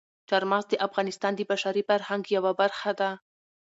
چار مغز د افغانستان د بشري فرهنګ یوه برخه ده.